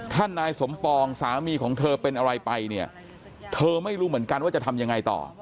ถ้านายสมปองสามีของเธอเป็นอะไรไปเนี่ยเธอไม่รู้เหมือนกันว่าจะทำยังไงต่อ